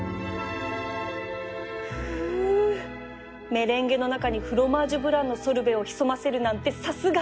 メレンゲの中にフロマージュブランのソルベを潜ませるなんてさすが